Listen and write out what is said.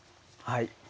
はい。